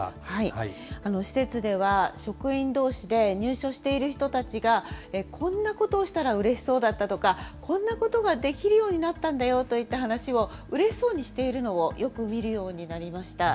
施設では、職員どうしで入所している人たちがこんなことをしたらうれしそうだったとか、こんなことができるようになったんだよといった話を、うれしそうにしているのをよく見るようになりました。